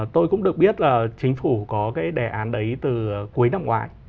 tôi cũng được biết là chính phủ có cái đề án đấy từ cuối năm ngoái